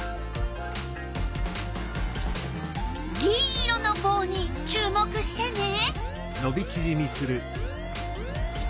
銀色のぼうに注目してね。